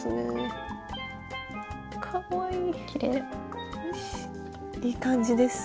いい感じです。